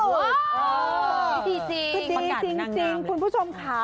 ก็ดีจริงคุณผู้ชมค่ะ